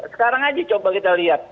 sekarang aja coba kita lihat